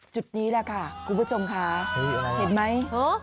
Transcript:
จุดนี้แหละค่ะคุณผู้ชมค่ะเห็นไหม